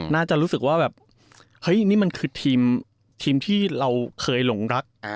น่าจะรู้สึกว่าแบบเฮ้ยนี่มันคือทีมที่เราเคยหลงรัก